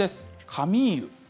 「カミーユ」。